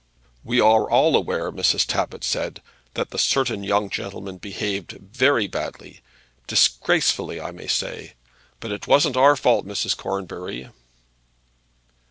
"We are all aware," Mrs. Tappitt said, "that the certain young gentleman behaved very badly, disgracefully, I may say; but it wasn't our fault, Mrs. Cornbury."